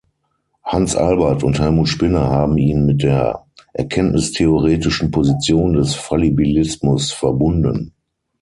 Hans Albert und Helmut Spinner haben ihn mit der erkenntnistheoretischen Position des Fallibilismus verbunden.